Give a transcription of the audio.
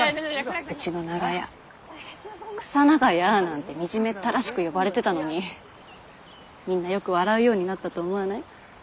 うちの長屋「クサ長屋」なんて惨めったらしく呼ばれてたのにみんなよく笑うようになったと思わない？